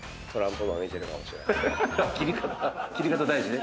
切り方大事ね。